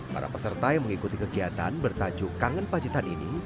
para peserta yang mengikuti kegiatan bertajuk kangen pacitan ini